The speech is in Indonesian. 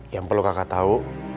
yang perlu kakak tau